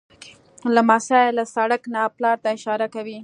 لمسی له سړک نه پلار ته اشاره کوي.